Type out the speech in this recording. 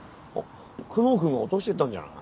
久能君が落としてったんじゃない？